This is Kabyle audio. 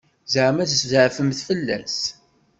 Ẓeɛma tzeɛfemt fell-as?